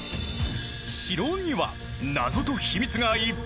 城には謎と秘密がいっぱい！